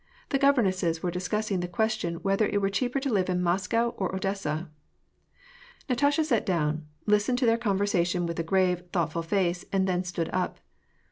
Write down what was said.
The governesses were discussing the question whether it were cheaper to live in Moscow or Odessa. Natasha sat down, listened to their conversation with a grave, thoughtful face, and then stood up.